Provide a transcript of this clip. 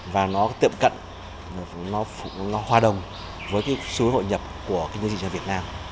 và nó tiệm cận nó hòa đồng với số hội nhập của nhân dân trị trường việt nam